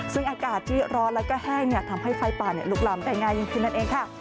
ซึ่งอากาศที่ร้อนแล้วก็แห้งทำให้ไฟป่าลุกลำได้ง่ายยิ่งขึ้นนั่นเองค่ะ